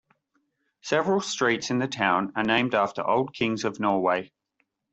Several streets in the town are named after old kings of Norway.